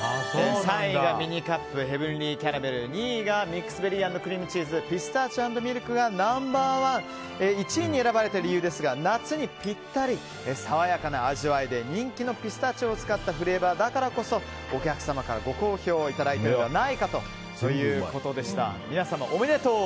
３位がミニカップヘブンリーキャラメル２位がミックスベリー＆クリームチーズピスタチオ＆ミルクがナンバーワン！１位に選ばれた理由ですが夏にぴったり爽やかな味わいで人気のピスタチオを使ったフレーバーだからこそお客様からご好評をいただいているのではないかということでした。